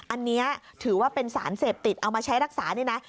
อันนี้ถือว่าเป็นสารเสพติดเอามาใช้รักษานี่นะ